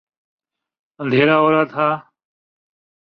اندھیرا ہو رہا تھا۔